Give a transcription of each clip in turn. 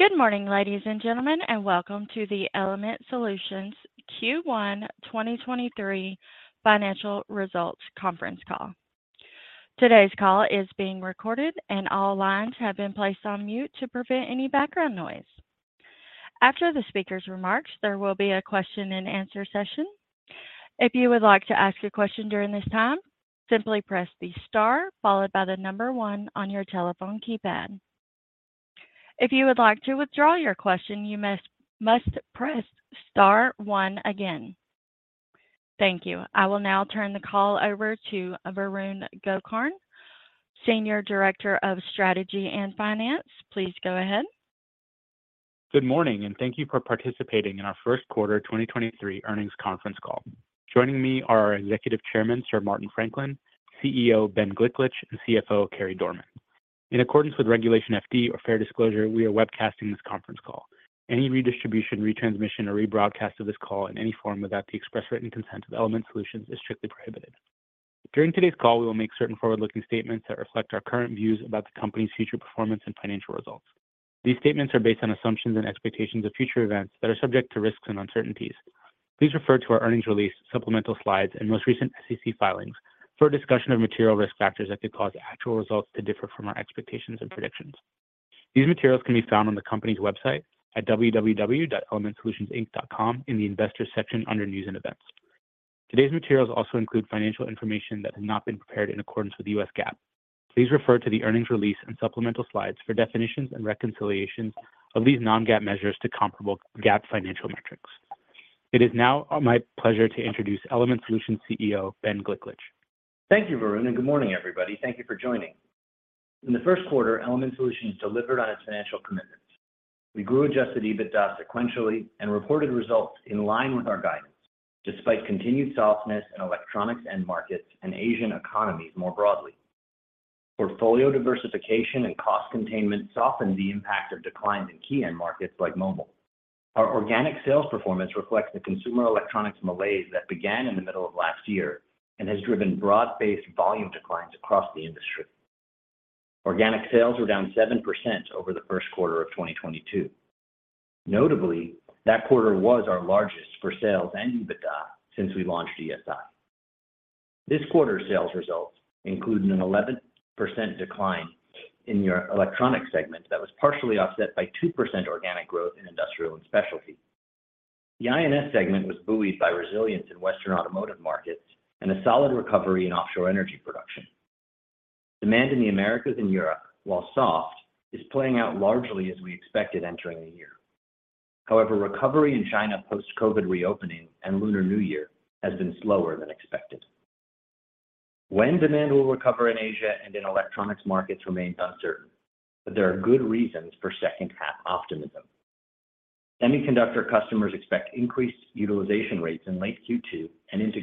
Good morning, ladies and gentlemen, and welcome to the Element Solutions Q1 2023 Financial Results Conference Call. Today's call is being recorded, and all lines have been placed on mute to prevent any background noise. After the speaker's remarks, there will be a question-and-answer session. If you would like to ask a question during this time, simply press the star followed by the number one on your telephone keypad. If you would like to withdraw your question, you must press star one again. Thank you. I will now turn the call over to Varun Gokarn, Senior Director, Strategy and Finance. Please go ahead. Good morning. Thank you for participating in our first quarter 2023 earnings conference call. Joining me are our Executive Chairman, Sir Martin Franklin, CEO Ben Gliklich, and CFO Carey Dorman. In accordance with Regulation FD, or fair disclosure, we are webcasting this conference call. Any redistribution, retransmission, or rebroadcast of this call in any form without the express written consent of Element Solutions is strictly prohibited. During today's call, we will make certain forward-looking statements that reflect our current views about the company's future performance and financial results. These statements are based on assumptions and expectations of future events that are subject to risks and uncertainties. Please refer to our earnings release, supplemental slides, and most recent SEC filings for a discussion of material risk factors that could cause actual results to differ from our expectations and predictions. These materials can be found on the company's website at www.elementsolutionsinc.com in the Investors section under News and Events. Today's materials also include financial information that has not been prepared in accordance with the U.S. GAAP. Please refer to the earnings release and supplemental slides for definitions and reconciliations of these non-GAAP measures to comparable GAAP financial metrics. It is now my pleasure to introduce Element Solutions CEO, Ben Gliklich. Thank you, Varun. Good morning, everybody. Thank you for joining. In the First Quarter, Element Solutions delivered on its financial commitments. We grew Adjusted EBITDA sequentially and reported results in line with our guidance despite continued softness in Electronics end markets and Asian economies more broadly. Portfolio diversification and cost containment softened the impact of declines in key end markets like mobile. Our organic sales performance reflects the consumer electronics malaise that began in the middle of last year and has driven broad-based volume declines across the industry. Organic sales were down 7% over the first quarter of 2022. Notably, that quarter was our largest for sales and EBITDA since we launched ESI. This quarter's sales results included an 11% decline in our Electronics segment that was partially offset by 2% organic growth in Industrial & Specialty. The I&S segment was buoyed by resilience in Western automotive markets and a solid recovery in offshore energy production. Demand in the Americas and Europe, while soft, is playing out largely as we expected entering the year. However, recovery in China post-COVID reopening and Lunar New Year has been slower than expected. When demand will recover in Asia and in electronics markets remains uncertain, but there are good reasons for second-half optimism. Semiconductor customers expect increased utilization rates in late Q2 and into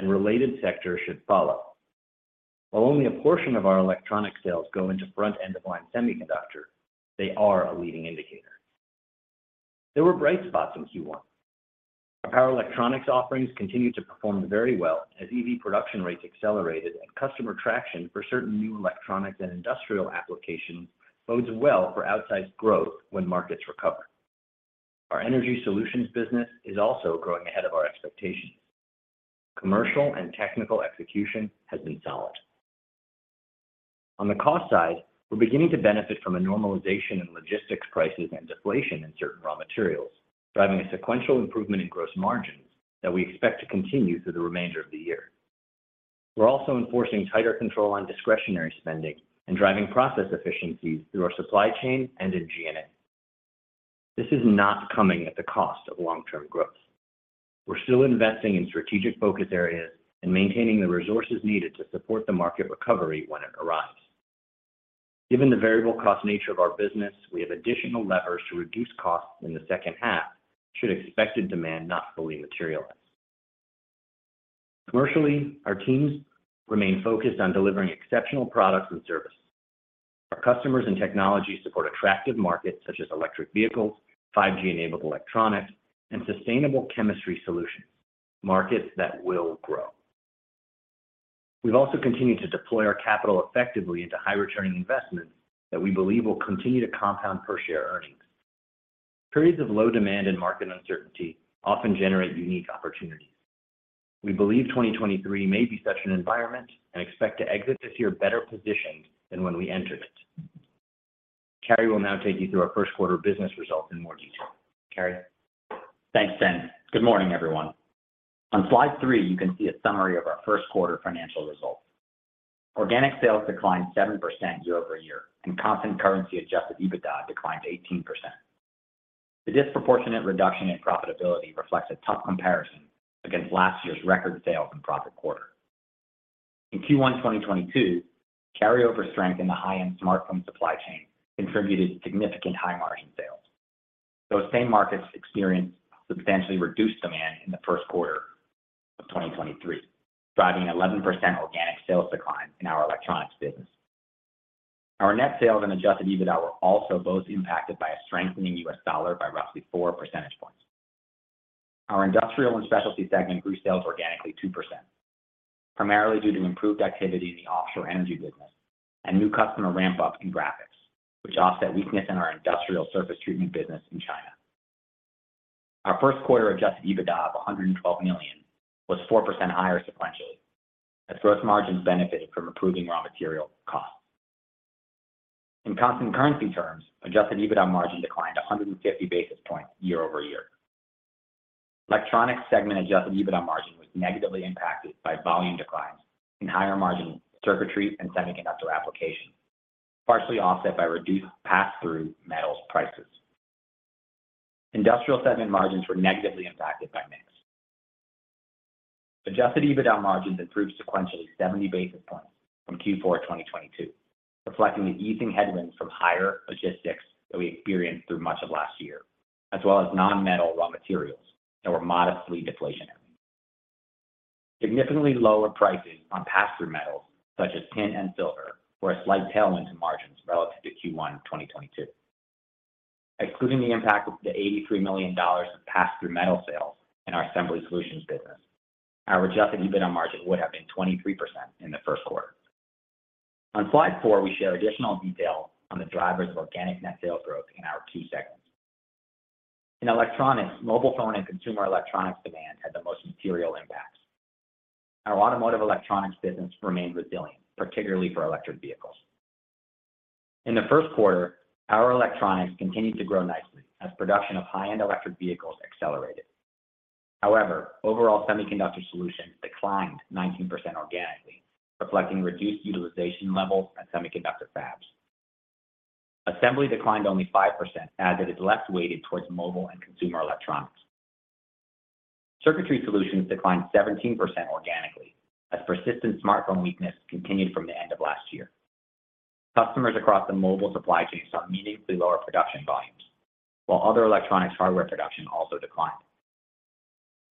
Q3, and related sectors should follow. While only a portion of our electronic sales go into front-end-of-line semiconductor, they are a leading indicator. There were bright spots in Q1. Our power electronics offerings continued to perform very well as EV production rates accelerated and customer traction for certain new electronics and industrial applications bodes well for outsized growth when markets recover. Our Energy Solutions business is also growing ahead of our expectations. Commercial and technical execution has been solid. On the cost side, we're beginning to benefit from a normalization in logistics prices and deflation in certain raw materials, driving a sequential improvement in gross margin that we expect to continue through the remainder of the year. We're also enforcing tighter control on discretionary spending and driving process efficiencies through our supply chain and in G&A. This is not coming at the cost of long-term growth. We're still investing in strategic focus areas and maintaining the resources needed to support the market recovery when it arrives. Given the variable cost nature of our business, we have additional levers to reduce costs in the second half should expected demand not fully materialize. Commercially, our teams remain focused on delivering exceptional products and services. Our customers and technology support attractive markets such as electric vehicles, 5G-enabled electronics, and sustainable chemistry solutions, markets that will grow. We've also continued to deploy our capital effectively into high-returning investments that we believe will continue to compound per-share earnings. Periods of low demand and market uncertainty often generate unique opportunities. We believe 2023 may be such an environment and expect to exit this year better positioned than when we entered it. Carey will now take you through our first quarter business results in more detail. Carey? Thanks, Ben. Good morning, everyone. On slide three, you can see a summary of our first quarter financial results. Organic sales declined 7% year-over-year, and constant currency Adjusted EBITDA declined 18%. The disproportionate reduction in profitability reflects a tough comparison against last year's record sale and profit quarter. In Q1, 2022, carryover strength in the high-end smartphone supply chain contributed significant high-margin sales. Those same markets experienced substantially reduced demand in the first quarter of 2023, driving 11% organic sales decline in our electronics business. Our net sales and Adjusted EBITDA were also both impacted by a strengthening US dollar by roughly 4 percentage points Our Industrial & Specialty segment grew sales organically 2%, primarily due to improved activity in the offshore energy business and new customer ramp up in graphics, which offset weakness in our industrial surface treatment business in China. Our first quarter Adjusted EBITDA of $112 million was 4% higher sequentially, as gross margins benefited from improving raw material costs. In constant currency terms, Adjusted EBITDA margin declined 150 basis points year-over-year. Electronics segment Adjusted EBITDA margin was negatively impacted by volume declines in higher margin circuitry and semiconductor applications, partially offset by reduced pass-through metals prices. Industrial segment margins were negatively impacted by mix. Adjusted EBITDA margins improved sequentially 70 basis points from Q4 2022, reflecting the easing headwinds from higher logistics that we experienced through much of last year, as well as non-metal raw materials that were modestly deflationary. Significantly lower prices on pass-through metals such as tin and silver were a slight tailwind to margins relative to Q1 2022. Excluding the impact of the $83 million of pass-through metal sales in our Assembly Solutions business, our Adjusted EBITDA margin would have been 23% in the first quarter. On slide four, we share additional detail on the drivers of organic net sales growth in our key segments. In Electronics, mobile phone and consumer electronics demand had the most material impact. Our automotive electronics business remained resilient, particularly for electric vehicles. In the first quarter, Power Electronics continued to grow nicely as production of high-end electric vehicles accelerated. However, overall Semiconductor Solutions declined 19% organically, reflecting reduced utilization levels at semiconductor fabs. Assembly declined only 5% as it is less weighted towards mobile and consumer electronics. Circuitry Solutions declined 17% organically as persistent smartphone weakness continued from the end of last year. Customers across the mobile supply chains saw meaningfully lower production volumes, while other electronics hardware production also declined.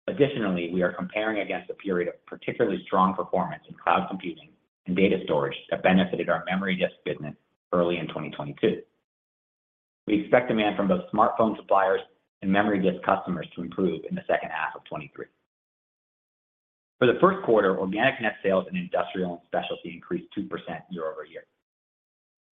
Additionally, we are comparing against a period of particularly strong performance in cloud computing and data storage that benefited our memory disk business early in 2022. We expect demand from both smartphone suppliers and memory disk customers to improve in the second half of 2023. For the first quarter, organic net sales in Industrial & Specialty increased 2% year-over-year.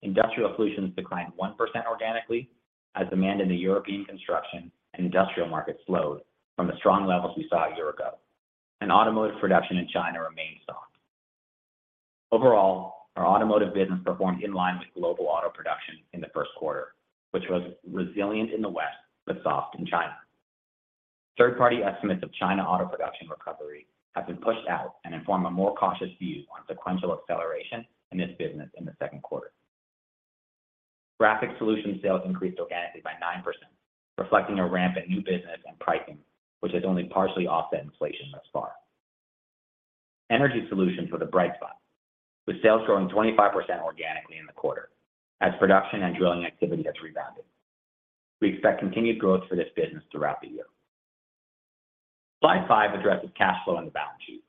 Industrial Solutions declined 1% organically as demand in the European construction and industrial market slowed from the strong levels we saw a year ago, and automotive production in China remained soft. Overall, our automotive business performed in line with global auto production in the first quarter, which was resilient in the West but soft in China. Third-party estimates of China auto production recovery have been pushed out and inform a more cautious view on sequential acceleration in this business in the second quarter. Graphics Solutions sales increased organically by 9%, reflecting a ramp in new business and pricing, which has only partially offset inflation thus far. Energy Solutions were the bright spot, with sales growing 25% organically in the quarter as production and drilling activity has rebounded. We expect continued growth for this business throughout the year. Slide five addresses cash flow and the balance sheet.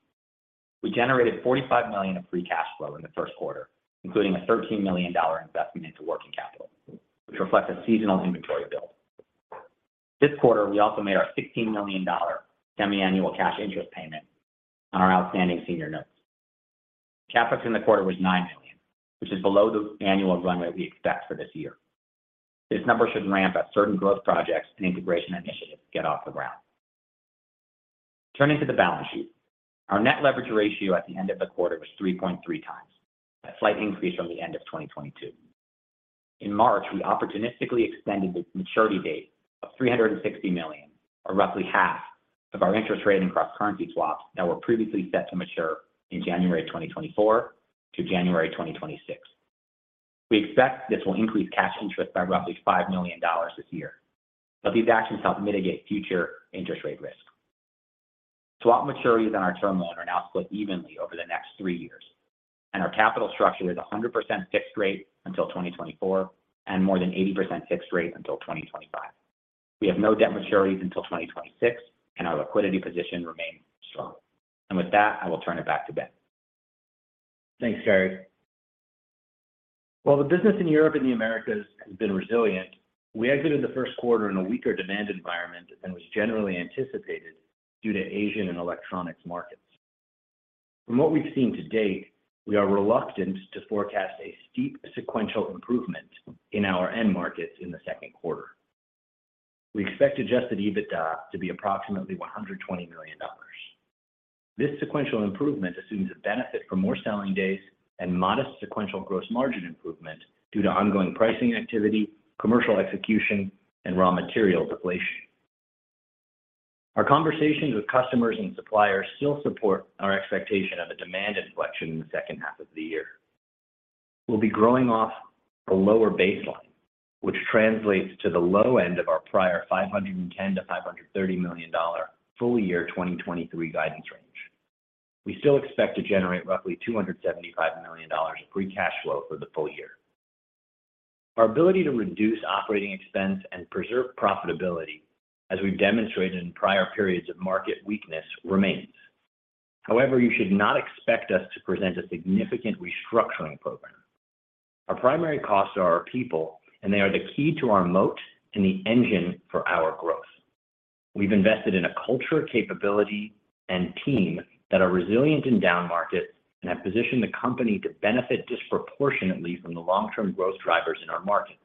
We generated $45 million of free cash flow in the first quarter, including a $13 million investment into working capital, which reflects a seasonal inventory build. This quarter, we also made our $16 million semi-annual cash interest payment on our outstanding senior notes. CapEx in the quarter was $9 million, which is below the annual runway we expect for this year. This number should ramp as certain growth projects and integration initiatives get off the ground. Turning to the balance sheet, our net leverage ratio at the end of the quarter was 3.3x, a slight increase from the end of 2022. In March, we opportunistically extended the maturity date of $360 million, or roughly half of our interest rate and cross-currency swaps that were previously set to mature in January 2024 to January 2026. We expect this will increase cash interest by roughly $5 million this year, but these actions help mitigate future interest rate risk. Swap maturities on our term loan are now split evenly over the next three years. Our capital structure is 100% fixed rate until 2024 and more than 80% fixed rate until 2025. We have no debt maturities until 2026, and our liquidity position remains strong. With that, I will turn it back to Ben. Thanks, Carey. While the business in Europe and the Americas has been resilient, we exited the first quarter in a weaker demand environment than was generally anticipated due to Asian and electronics markets. From what we've seen to date, we are reluctant to forecast a steep sequential improvement in our end markets in the second quarter. We expect Adjusted EBITDA to be approximately $120 million. This sequential improvement assumes a benefit from more selling days and modest sequential gross margin improvement due to ongoing pricing activity, commercial execution, and raw material deflation. Our conversations with customers and suppliers still support our expectation of a demand inflection in the second half of the year. We'll be growing off a lower baseline, which translates to the low end of our prior $510 million-$530 million full year 2023 guidance range. We still expect to generate roughly $275 million of free cash flow for the full year. Our ability to reduce operating expense and preserve profitability, as we've demonstrated in prior periods of market weakness, remains. However, you should not expect us to present a significant restructuring program. Our primary costs are our people. They are the key to our moat and the engine for our growth. We've invested in a culture capability and team that are resilient in down markets and have positioned the company to benefit disproportionately from the long-term growth drivers in our markets.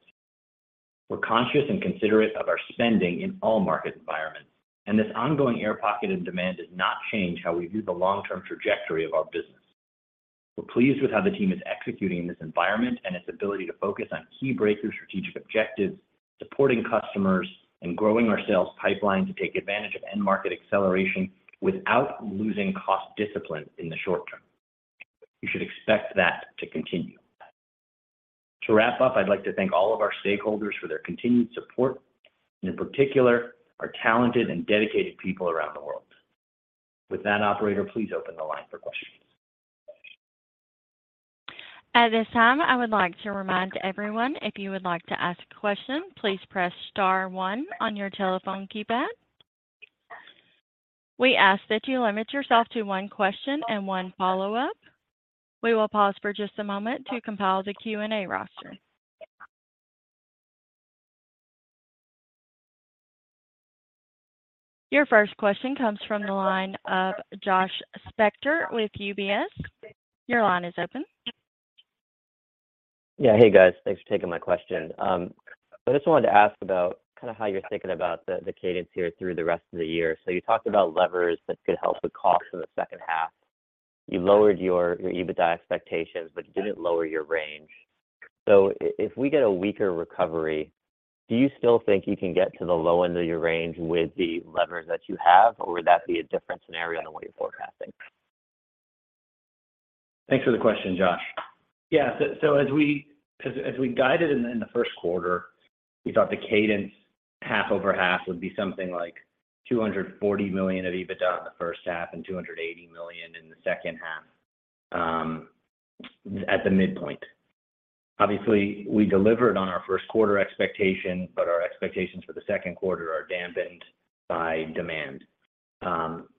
We're conscious and considerate of our spending in all market environments. This ongoing air pocket and demand does not change how we view the long-term trajectory of our business. We're pleased with how the team is executing in this environment and its ability to focus on key breakthrough strategic objectives, supporting customers, and growing our sales pipeline to take advantage of end market acceleration without losing cost discipline in the short term. You should expect that to continue. To wrap up, I'd like to thank all of our stakeholders for their continued support, and in particular, our talented and dedicated people around the world. With that, operator, please open the line for questions. At this time, I would like to remind everyone if you would like to ask a question, please press star one on your telephone keypad. We ask that you limit yourself to one question and one follow-up. We will pause for just a moment to compile the Q&A roster. Your first question comes from the line of Josh Spector with UBS. Your line is open. Yeah. Hey, guys. Thanks for taking my question. I just wanted to ask about kind of how you're thinking about the cadence here through the rest of the year. You talked about levers that could help with costs in the second half. You lowered your EBITDA expectations, but you didn't lower your range. If we get a weaker recovery, do you still think you can get to the low end of your range with the levers that you have, or would that be a different scenario than what you're forecasting? Thanks for the question, Josh. Yeah. As we guided in the first quarter, we thought the cadence half over half would be something like $240 million of Adjusted EBITDA in the first half and $280 million in the second half at the midpoint. Obviously, we delivered on our first quarter expectation. Our expectations for the second quarter are dampened by demand.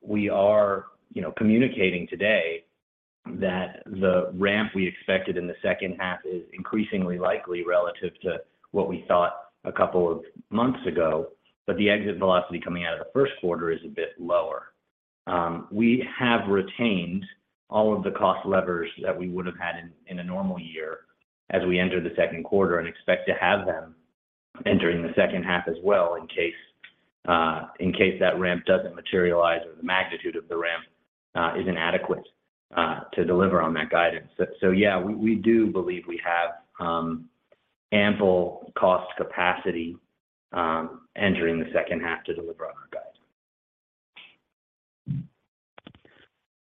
We are, you know, communicating today that the ramp we expected in the second half is increasingly likely relative to what we thought a couple of months ago. The exit velocity coming out of the first quarter is a bit lower. We have retained all of the cost levers that we would have had in a normal year as we enter the second quarter and expect to have them entering the second half as well in case that ramp doesn't materialize or the magnitude of the ramp is inadequate to deliver on that guidance. Yeah, we do believe we have ample cost capacity entering the second half to deliver on our guide.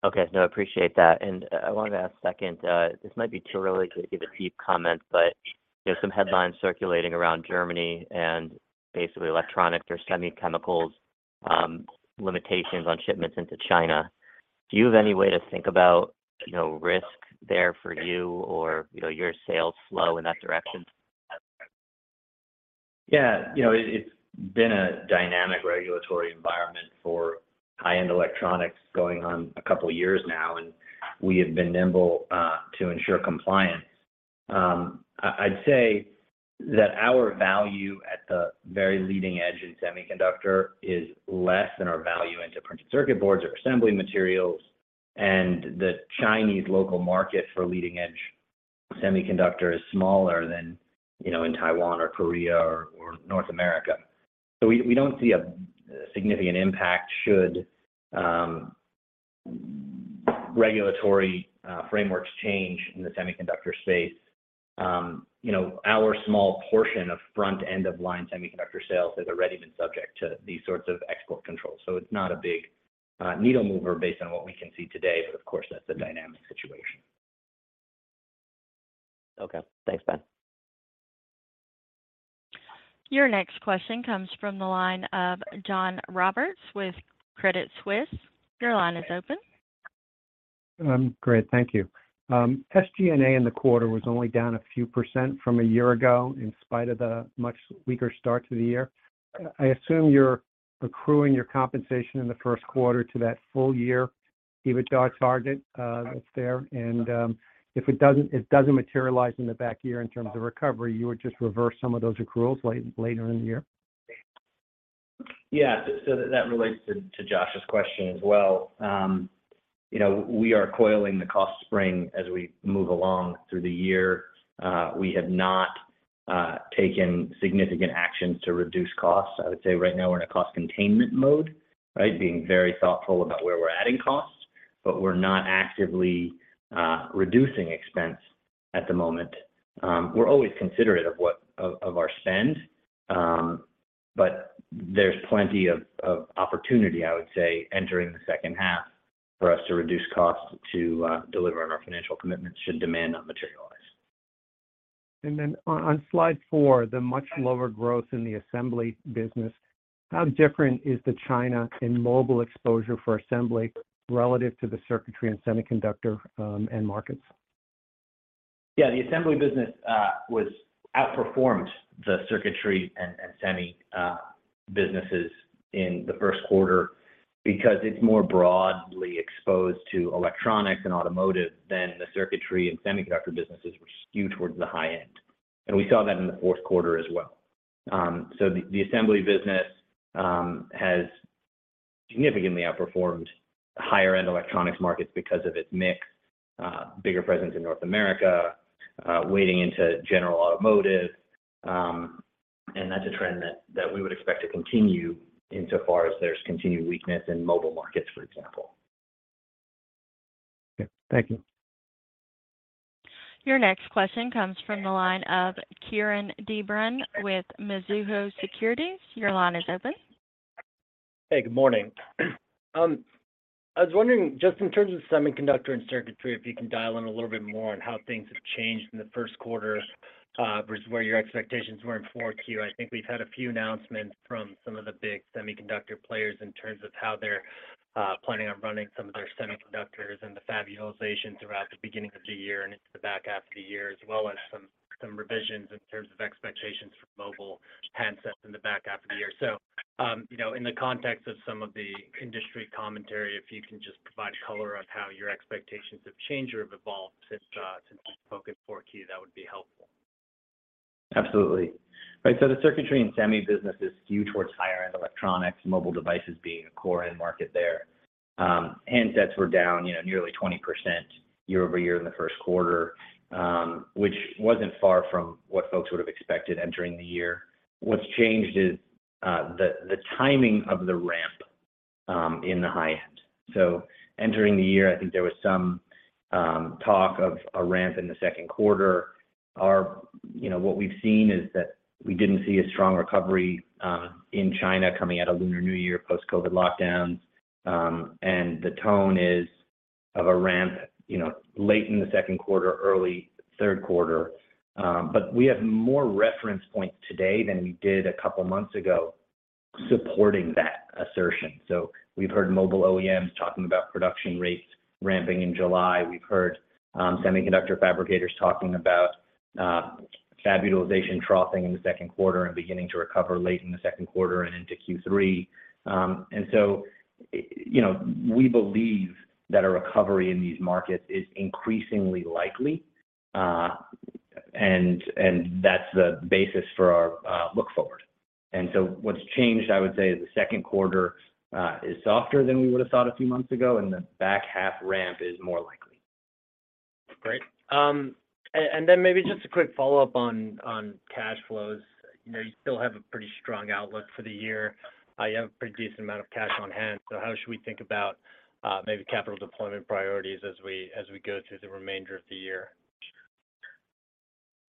Okay. No, I appreciate that. I wanted to ask second, this might be too early to give a deep comment. There's some headlines circulating around Germany and basically electronics or semi chemicals, limitations on shipments into China. Do you have any way to think about, you know, risk there for you or, you know, your sales flow in that direction? You know, it's been a dynamic regulatory environment for high-end electronics going on two years now, and we have been nimble to ensure compliance. I'd say that our value at the very leading edge in semiconductor is less than our value into printed circuit boards or assembly materials. The Chinese local market for leading-edge semiconductor is smaller than, you know, in Taiwan or Korea or North America. We don't see a significant impact should regulatory frameworks change in the semiconductor space. You know, our small portion of front-end-of-line semiconductor sales has already been subject to these sorts of export controls. It's not a big needle mover based on what we can see today, but of course, that's a dynamic situation. Okay. Thanks, Ben. Your next question comes from the line of John Roberts with Credit Suisse. Your line is open. Great. Thank you. SG&A in the quarter was only down a few percent from a year ago in spite of the much weaker start to the year. I assume you're accruing your compensation in the first quarter to that full year EBITDA target that's there. If it doesn't, it doesn't materialize in the back year in terms of recovery, you would just reverse some of those accruals later in the year. Yeah. That relates to Josh's question as well. You know, we are coiling the cost spring as we move along through the year. We have not taken significant actions to reduce costs. I would say right now we're in a cost containment mode, right? Being very thoughtful about where we're adding costs, but we're not actively reducing expense at the moment. We're always considerate of our spend, but there's plenty of opportunity, I would say, entering the second half for us to reduce costs to deliver on our financial commitments should demand not materialize. Then on slide four, the much lower growth in the Assembly business, how different is the Circuitry and Semiconductor end markets? Yeah, the assembly business outperformed the circuitry and semi businesses in the first quarter because it's more broadly exposed to electronics and automotive than the circuitry and semiconductor businesses were skewed towards the high end. We saw that in the fourth quarter as well. The assembly business has significantly outperformed higher-end electronics markets because of its mix, bigger presence in North America, wading into general automotive. That's a trend that we would expect to continue insofar as there's continued weakness in mobile markets, for example. Okay. Thank you. Your next question comes from the line of Kieran de Brun with Mizuho Securities. Your line is open. Hey, good morning. I was wondering just in terms of semiconductor and circuitry, if you can dial in a little bit more on how things have changed in the first quarter, versus where your expectations were in four Q. I think we've had a few announcements from some of the big semiconductor players in terms of how they're planning on running some of their semiconductors and the fab utilization throughout the beginning of the year and into the back half of the year, as well as some revisions in terms of expectations for mobile handsets in the back half of the year. You know, in the context of some of the industry commentary, if you can just provide color on how your expectations have changed or have evolved since you spoke in four Q, that would be helpful. Absolutely. Right. The Circuitry and Semi business is skewed towards higher-end electronics, mobile devices being a core end market there. Handsets were down, you know, nearly 20% year-over-year in the first quarter, which wasn't far from what folks would've expected entering the year. What's changed is the timing of the ramp in the high end. Entering the year, I think there was some talk of a ramp in the second quarter. You know, what we've seen is that we didn't see a strong recovery in China coming out of Lunar New Year post-COVID lockdowns. And the tone is of a ramp, you know, late in the second quarter, early third quarter. We have more reference points today than we did a couple months ago supporting that assertion. We've heard mobile OEMs talking about production rates ramping in July. We've heard semiconductor fabricators talking about fab utilization troughing in the second quarter and beginning to recover late in the second quarter and into Q3. You know, we believe that a recovery in these markets is increasingly likely. And that's the basis for our look forward. What's changed, I would say, is the second quarter is softer than we would've thought a few months ago, and the back half ramp is more likely. Great. Maybe just a quick follow-up on cash flows. You know, you still have a pretty strong outlook for the year. You have a pretty decent amount of cash on hand. How should we think about, maybe capital deployment priorities as we, as we go through the remainder of the year?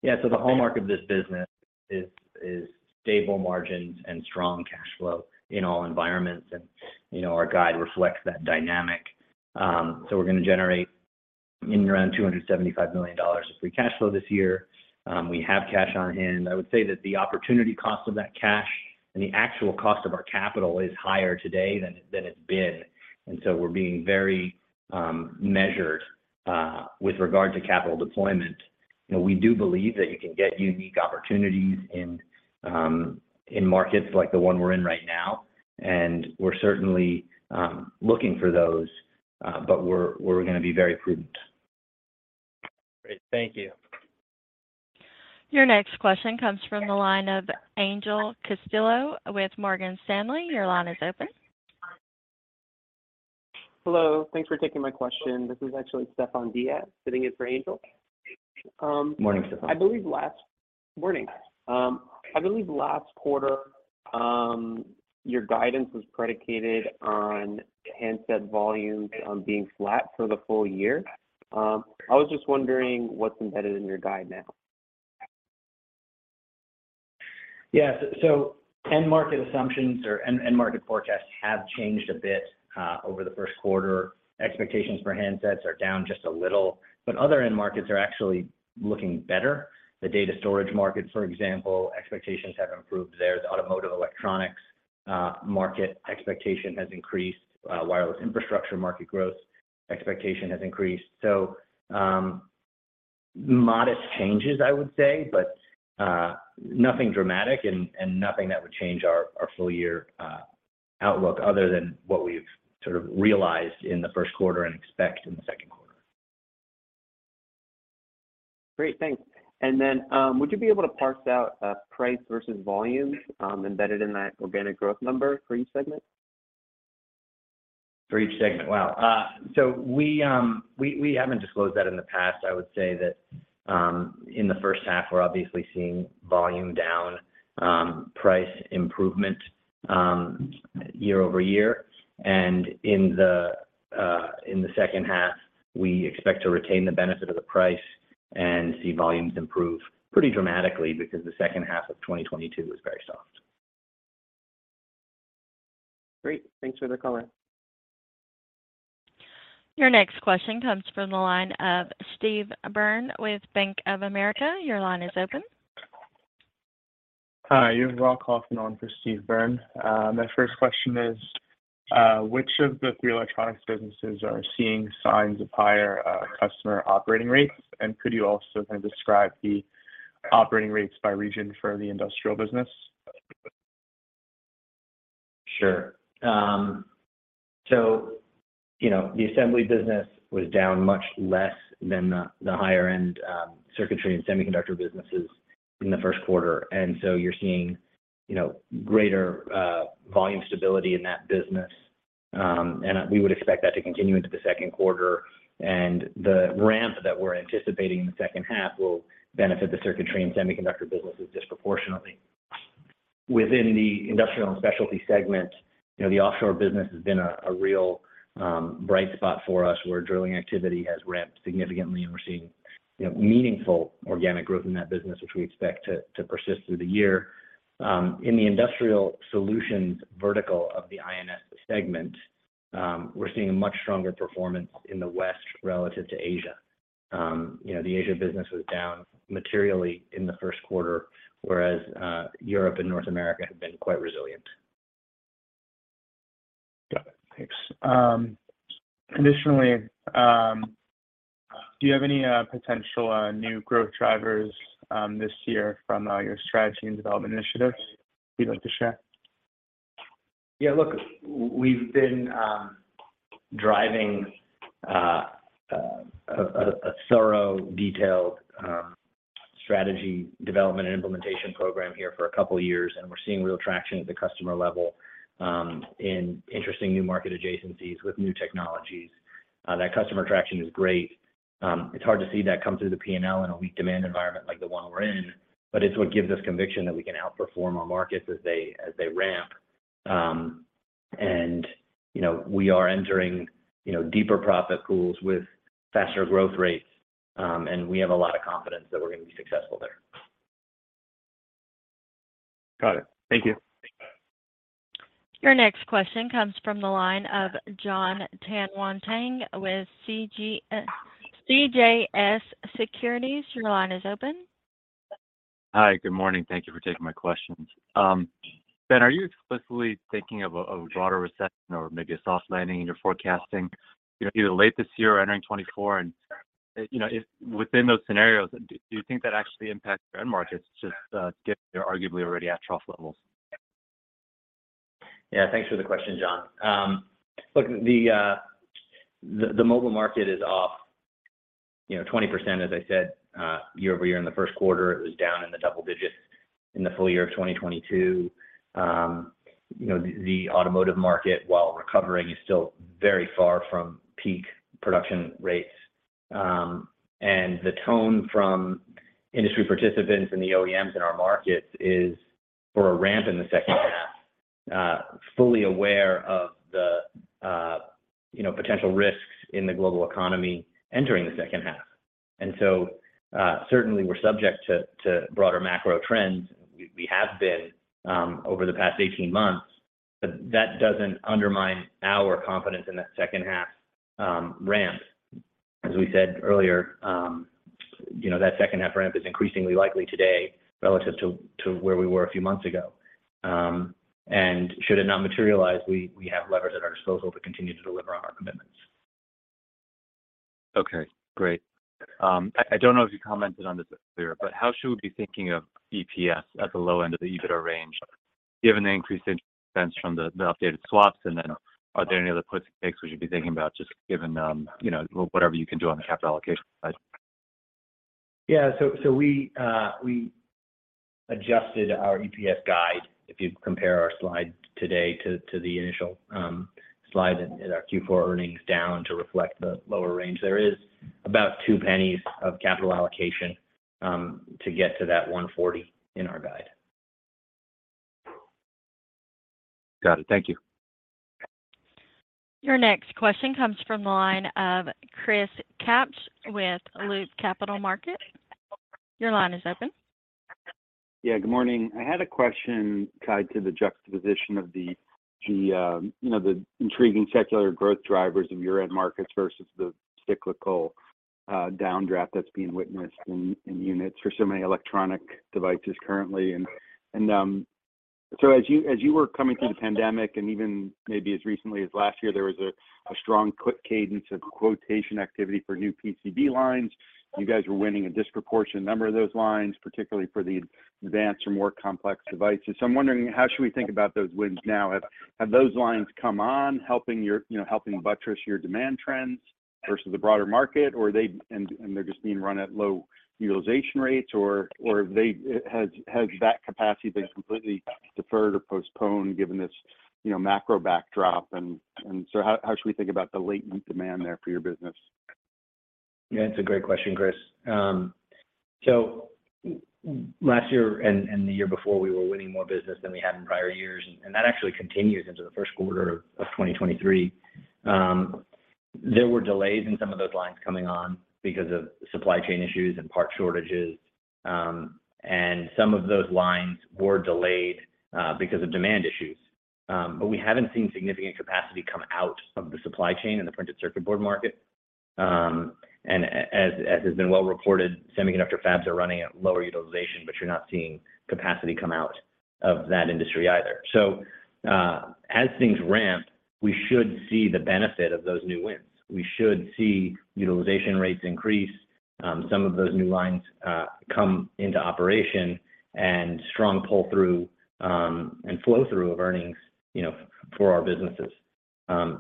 Yeah. The hallmark of this business is stable margins and strong cash flow in all environments. You know, our guide reflects that dynamic. We're gonna generate in around $275 million of free cash flow this year. We have cash on hand. I would say that the opportunity cost of that cash and the actual cost of our capital is higher today than it's been. We're being very measured with regard to capital deployment. You know, we do believe that you can get unique opportunities in in markets like the one we're in right now, and we're certainly looking for those. We're gonna be very prudent. Great. Thank you. Your next question comes from the line of Angel Castillo with Morgan Stanley. Your line is open. Hello. Thanks for taking my question. This is actually Stefan Diaz sitting in for Angel. Morning, Stefan. Morning. I believe last quarter, your guidance was predicated on handset volumes being flat for the full year. I was just wondering what's embedded in your guide now. End market assumptions or end market forecasts have changed a bit over the first quarter. Expectations for handsets are down just a little, but other end markets are actually looking better. The data storage market, for example, expectations have improved there. The automotive electronics market expectation has increased. Wireless infrastructure market growth expectation has increased. Modest changes I would say, but nothing dramatic and nothing that would change our full year outlook other than what we've sort of realized in the first quarter and expect in the second quarter. Great. Thanks. Would you be able to parse out, price versus volume, embedded in that organic growth number for each segment? For each segment. Wow. We haven't disclosed that in the past. I would say that in the first half we're obviously seeing volume down, price improvement year-over-year. In the second half, we expect to retain the benefit of the price and see volumes improve pretty dramatically because the second half of 2022 was very soft. Great. Thanks for the color. Your next question comes from the line of Steve Byrne with Bank of America. Your line is open. Hi, you have Rocco Hoffman on for Steve Byrne. My first question is, which of the three electronics businesses are seeing signs of higher customer operating rates? Could you also kind of describe the operating rates by region for the industrial business? Sure. You know, the assembly business was down much less than the higher end, circuitry and semiconductor businesses in the first quarter. You're seeing, you know, greater volume stability in that business. We would expect that to continue into the second quarter. The ramp that we're anticipating in the second half will benefit the circuitry and semiconductor businesses disproportionately. Within the Industrial & Specialty segment, you know, the offshore business has been a real bright spot for us, where drilling activity has ramped significantly, and we're seeing, you know, meaningful organic growth in that business, which we expect to persist through the year. In the Industrial Solutions vertical of the I&S segment, we're seeing a much stronger performance in the West relative to Asia. You know, the Asia business was down materially in the first quarter, whereas, Europe and North America have been quite resilient. Got it. Thanks. Additionally, do you have any potential new growth drivers this year from your strategy and development initiatives you'd like to share? Look, we've been driving a thorough, detailed strategy development and implementation program here for a couple years. We're seeing real traction at the customer level in interesting new market adjacencies with new technologies. That customer traction is great. It's hard to see that come through the P&L in a weak demand environment like the one we're in, but it's what gives us conviction that we can outperform our markets as they ramp. You know, we are entering, you know, deeper profit pools with faster growth rates, and we have a lot of confidence that we're gonna be successful there. Got it. Thank you. Your next question comes from the line of Jon Tanwanteng with CJS Securities. Your line is open. Hi, good morning. Thank you for taking my questions. Ben, are you explicitly thinking of a broader recession or maybe a soft landing in your forecasting, you know, either late this year or entering 2024? You know, if within those scenarios, do you think that actually impacts your end markets, just given they're arguably already at trough levels? Yeah. Thanks for the question, Jon. Look, the mobile market is off, you know, 20%, as I said, year-over-year in the first quarter. It was down in the double digits in the full year of 2022. You know, the automotive market, while recovering, is still very far from peak production rates. The tone from industry participants and the OEMs in our markets is for a ramp in the second half, fully aware of the, you know, potential risks in the global economy entering the second half. Certainly we're subject to broader macro trends. We have been over the past 18 months. That doesn't undermine our confidence in that second half ramp. As we said earlier, you know, that second half ramp is increasingly likely today relative to where we were a few months ago. Should it not materialize, we have levers at our disposal to continue to deliver on our commitments. Okay, great. I don't know if you commented on this earlier, but how should we be thinking of EPS at the low end of the EBITDA range, given the increased interest expense from the updated swaps? Are there any other puts and takes we should be thinking about, just given, you know, whatever you can do on the capital allocation side? Yeah. We adjusted our EPS guide, if you compare our slide today to the initial slide in our Q4 earnings down to reflect the lower range. There is about 2 pennies of capital allocation to get to that $1.40 in our guide. Got it. Thank you. Your next question comes from the line of Christopher Kapsch with Loop Capital Markets. Your line is open. Yeah, good morning. I had a question tied to the juxtaposition of the, you know, the intriguing secular growth drivers of your end markets versus the cyclical downdraft that's being witnessed in units for so many electronic devices currently. So as you were coming through the pandemic and even maybe as recently as last year, there was a strong quick cadence of quotation activity for new PCB lines. You guys were winning a disproportionate number of those lines, particularly for the advanced or more complex devices. I'm wondering, how should we think about those wins now? Have those lines come on helping your, you know, helping buttress your demand trends versus the broader market? Or are they and they're just being run at low utilization rates? Has that capacity been completely deferred or postponed given this, you know, macro backdrop? How should we think about the latent demand there for your business? Yeah, it's a great question, Chris. Last year and the year before, we were winning more business than we had in prior years, and that actually continues into the first quarter of 2023. There were delays in some of those lines coming on because of supply chain issues and part shortages. Some of those lines were delayed because of demand issues. We haven't seen significant capacity come out of the supply chain in the printed circuit board market. As has been well reported, semiconductor fabs are running at lower utilization, but you're not seeing capacity come out of that industry either. As things ramp, we should see the benefit of those new wins. We should see utilization rates increase, some of those new lines, come into operation, and strong pull-through, and flow-through of earnings, you know, for our businesses.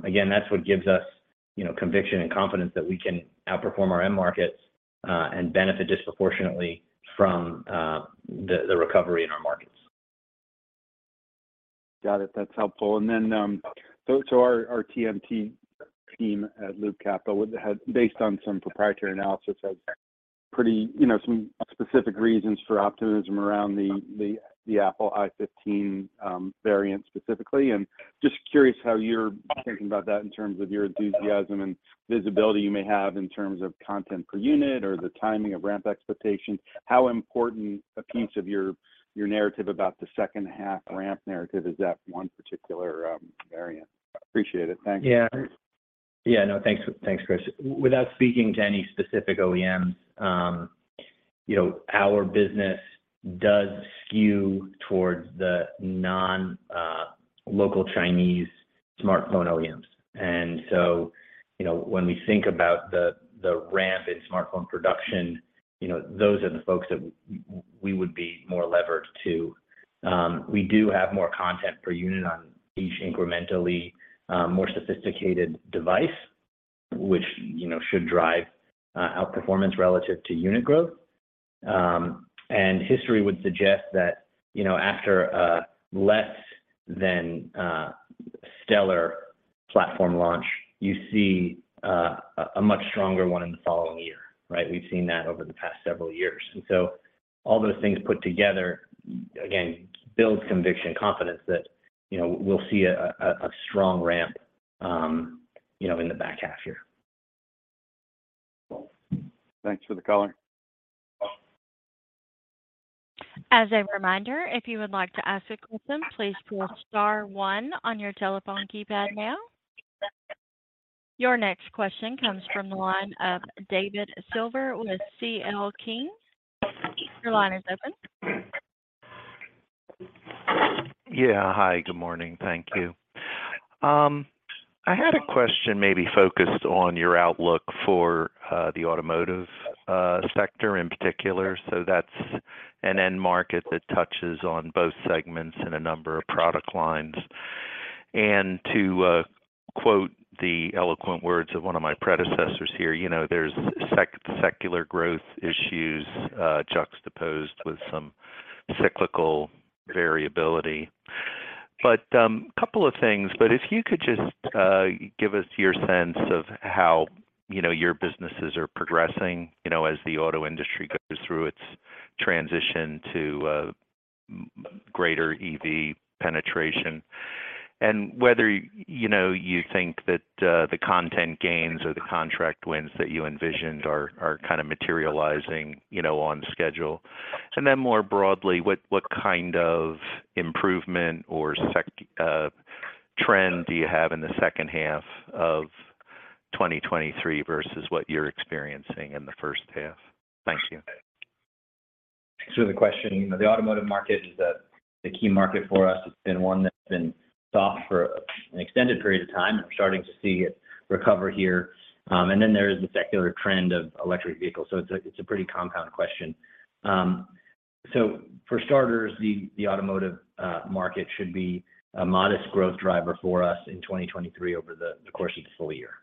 Again, that's what gives us, you know, conviction and confidence that we can outperform our end markets, and benefit disproportionately from, the recovery in our markets. Got it. That's helpful. Our TMT team at Loop Capital would have, based on some proprietary analysis, has pretty, you know, some specific reasons for optimism around the iPhone 15 variant specifically. Just curious how you're thinking about that in terms of your enthusiasm and visibility you may have in terms of content per unit or the timing of ramp expectations. How important a piece of your narrative about the second half ramp narrative is that one particular variant? Appreciate it. Thanks. Yeah. Yeah, no, thanks. Thanks, Chris. Without speaking to any specific OEMs, you know, our business does skew towards the non-local Chinese smartphone OEMs. You know, when we think about the ramp in smartphone production, you know, those are the folks that we would be more levered to. We do have more content per unit on each incrementally more sophisticated device, which, you know, should drive outperformance relative to unit growth. And history would suggest that, you know, after a less than stellar platform launch, you see a much stronger one in the following year, right? We've seen that over the past several years. All those things put together, again, builds conviction, confidence that, you know, we'll see a strong ramp, you know, in the back half year. Thanks for the color. As a reminder, if you would like to ask a question, please push star one on your telephone keypad now. Your next question comes from the line of David Silver with CL King. Your line is open. Yeah. Hi, good morning. Thank you. I had a question maybe focused on your outlook for the automotive sector in particular. That's an end market that touches on both segments in a number of product lines. To quote the eloquent words of one of my predecessors here, you know, there's secular growth issues juxtaposed with some cyclical variability. Couple of things, but if you could just give us your sense of how, you know, your businesses are progressing, you know, as the auto industry goes through its transition to greater EV penetration, and whether, you know, you think that the content gains or the contract wins that you envisioned are kind of materializing, you know, on schedule? More broadly, what kind of improvement or trend do you have in the second half of 2023 versus what you're experiencing in the first half? Thank you. The question, you know, the automotive market is a key market for us. It's been one that's been soft for an extended period of time, and we're starting to see it recover here. There is the secular trend of electric vehicles, so it's a pretty compound question. For starters, the automotive market should be a modest growth driver for us in 2023 over the course of the full year.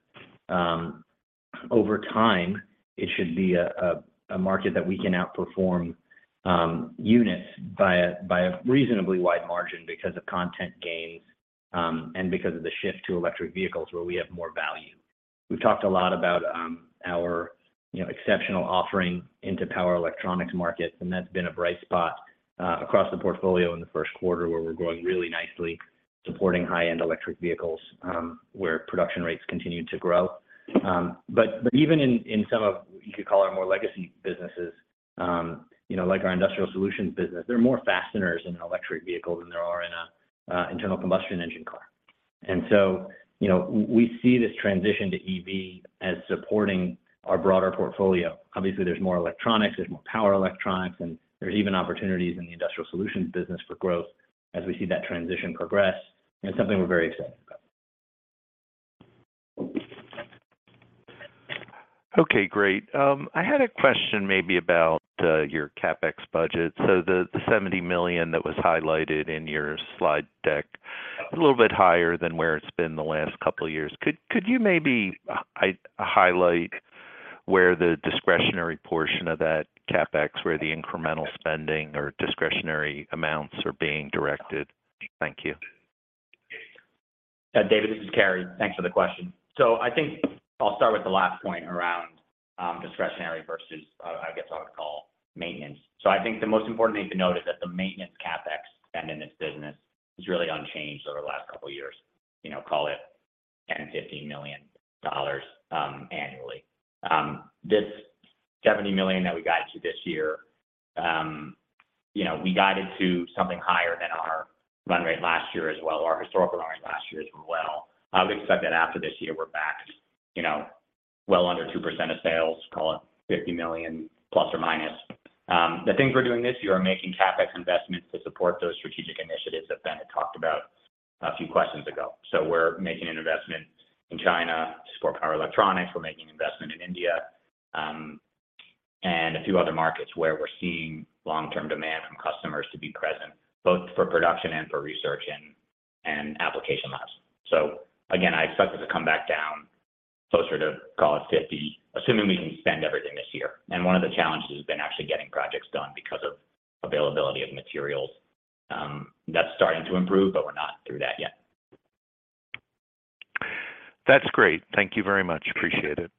Over time, it should be a market that we can outperform units by a reasonably wide margin because of content gains and because of the shift to electric vehicles where we have more value. We've talked a lot about our, you know, exceptional offering into power electronics markets, and that's been a bright spot across the portfolio in the first quarter where we're growing really nicely, supporting high-end electric vehicles, where production rates continue to grow. Even in some of what you could call our more legacy businesses, you know, like our Industrial Solutions business, there are more fasteners in an electric vehicle than there are in a internal combustion engine car. So, you know, we see this transition to EV as supporting our broader portfolio. Obviously, there's more electronics, there's more power electronics, and there's even opportunities in the Industrial Solutions business for growth as we see that transition progress. It's something we're very excited about. Okay, great. I had a question maybe about your CapEx budget. The $70 million that was highlighted in your slide deck, a little bit higher than where it's been the last couple of years. Could you maybe highlight where the discretionary portion of that CapEx, where the incremental spending or discretionary amounts are being directed? Thank you. Yeah, David, this is Cary. Thanks for the question. I think I'll start with the last point around discretionary versus, I guess I would call maintenance. I think the most important thing to note is that the maintenance CapEx spend in this business is really unchanged over the last couple of years. You know, call it $10 million-$15 million annually. This $70 million that we guided to this year, you know, we guided to something higher than our run rate last year as well, our historical run rate last year as well. I would expect that after this year, we're back, you know, well under 2% of sales, call it $50 million±. The thing for doing this, you are making CapEx investments to support those strategic initiatives that Ben had talked about a few questions ago. We're making an investment in China to support power electronics. We're making investment in India, and a few other markets where we're seeing long-term demand from customers to be present, both for production and for research and application labs. Again, I expect it to come back down closer to, call it $50, assuming we can spend everything this year. One of the challenges has been actually getting projects done because of availability of materials. That's starting to improve, but we're not through that yet. That's great. Thank you very much. Appreciate it.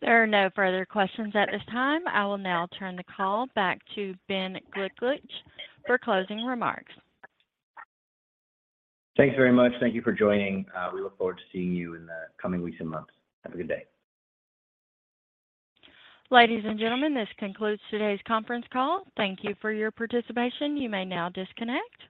There are no further questions at this time. I will now turn the call back to Ben Gliklich for closing remarks. Thanks very much. Thank you for joining. We look forward to seeing you in the coming weeks and months. Have a good day. Ladies and gentlemen, this concludes today's conference call. Thank you for your participation. You may now disconnect.